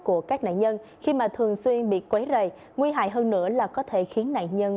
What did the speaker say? của các nạn nhân khi mà thường xuyên bị quấy rầy nguy hại hơn nữa là có thể khiến nạn nhân